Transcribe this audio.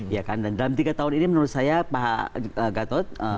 dan dalam tiga tahun ini menurut saya pak gatot